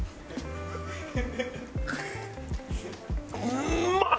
うまっ！